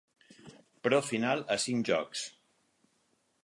Pro final a cinc jocs.